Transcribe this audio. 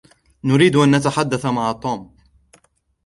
نريد أن نتحدث مع توم.